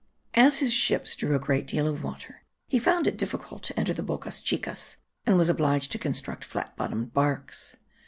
As his ships drew a great deal of water, he found it difficult to enter the bocas chicas, and was obliged to construct flat bottomed barks.